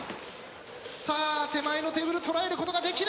さあ手前のテーブル捉えることができれば。